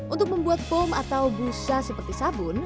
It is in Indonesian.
untuk membuat foam atau busa seperti sabun